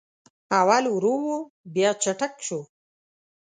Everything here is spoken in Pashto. اول ورو و بیا چټک سو